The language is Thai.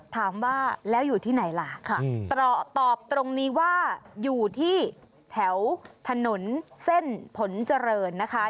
ถามว่าแล้วอยู่ที่ไหนล่ะตอบตรงนี้ว่าอยู่ที่แถวถนนเส้นผลเจริญนะคะ